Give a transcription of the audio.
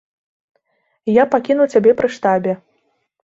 Я пакінуў цябе пры штабе.